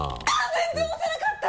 全然押せなかった！